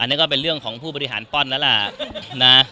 อันนี้ก็เป็นเรื่องของผู้บริหารป้อนแล้วล่ะนะ